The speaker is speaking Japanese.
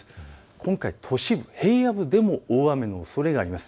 今回、都市部、平野部でも大雨のおそれがあります。